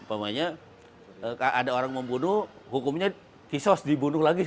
pokoknya ada orang membunuh hukumnya kisos dibunuh lagi